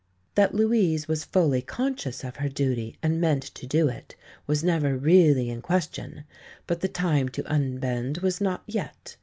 That Louise was fully conscious of her duty and meant to do it, was never really in question but the time to unbend was not yet.